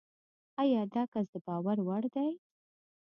ایا داکس دباور وړ دی؟